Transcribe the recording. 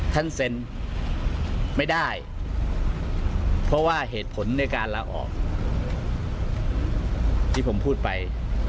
ท่านเซ็นไม่ได้เพราะว่าเหตุผลในการลาออกที่ผมพูดไป